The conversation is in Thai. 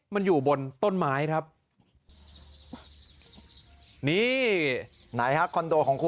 มันอยู่บนต้นไม้ครับคอนโดของคุณ